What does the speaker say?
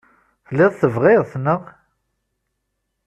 Telliḍ tebɣiḍ-t, naɣ?